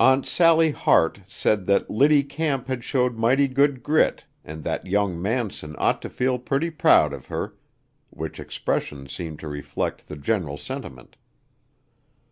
Aunt Sally Hart said that "Liddy Camp had showed mighty good grit and that young Manson ought to feel purty proud of her," which expression seemed to reflect the general sentiment.